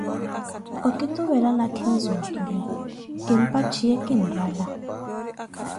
okituvela nakhinzi otule, kimpatthiye kinrala.